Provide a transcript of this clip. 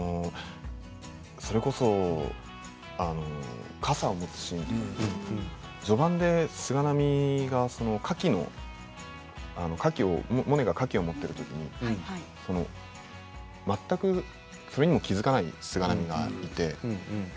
それこそ傘を持つシーン序盤で菅波がモネがカキを持っているときに全くそれにも気付かない菅波がいて。